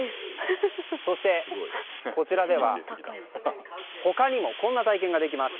そして、こちらでは他にもこんな体験ができます。